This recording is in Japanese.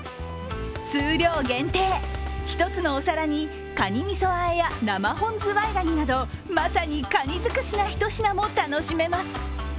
数量限定、１つのお皿にかにみそ和えや生本ズワイガニなどまさにかにづくしなひと品も楽しめます。